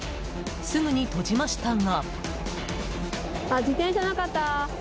すぐに閉じましたが。